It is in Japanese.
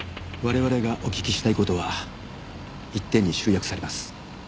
我々がお聞きしたい事は一点に集約されます。